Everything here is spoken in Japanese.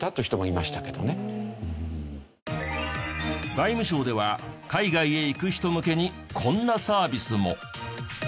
外務省では海外へ行く人向けにこんなサービスも。